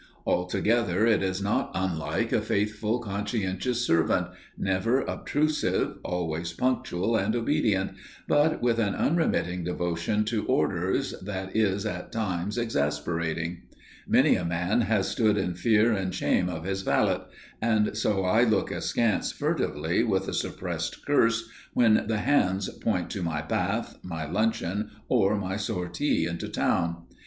Altogether, it is not unlike a faithful, conscientious servant, never obtrusive, always punctual and obedient, but with an unremitting devotion to orders that is at times exasperating. Many a man has stood in fear and shame of his valet, and so I look askance furtively with a suppressed curse when the hands point to my bath, my luncheon, or my sortie into town.